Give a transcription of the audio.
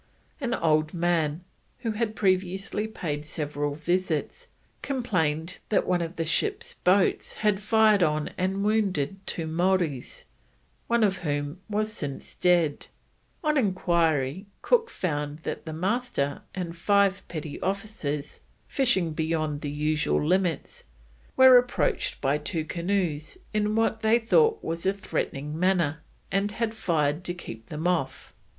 An old man, who had previously paid several visits, complained that one of the ships boats had fired on and wounded two Maoris, one of whom was since dead. On enquiry, Cook found that the Master and five petty officers, fishing beyond the usual limits, were approached by two canoes in what they thought was a threatening manner and had fired to keep them off.